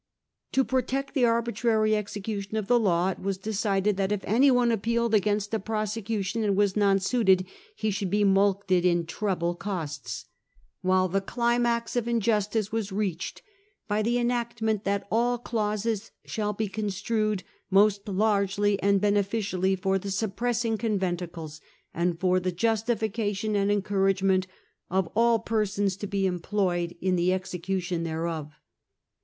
To protect the arbitrary execution of the law, it was decided that if anyone appealed against a prosecution and was nonsuited he should be mulcted in treble costs ; while the climax of injustice was reached by the enact ment that * all clauses shall be construed most largely and beneficially for the suppressing conventicles and for the justification and encouragement of all persons to be em ployed in the execution thereof.